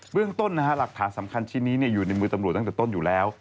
เรื่องต้นหลักฐานสำคัญชิ้นนี้อยู่ในมือตำรวจตั้งแต่ต้นอยู่แล้ว